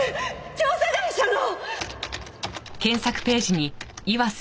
調査会社の。